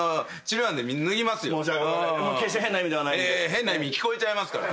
変な意味に聞こえちゃいますから。